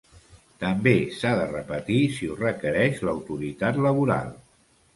També s'ha de repetir si ho requereix l'autoritat laboral.